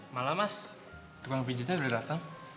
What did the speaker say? malam mas tukang pijitnya udah dateng